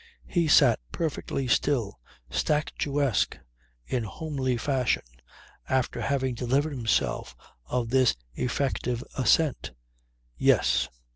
He sat perfectly still, statuesque in homely fashion, after having delivered himself of his effective assent: "Yes.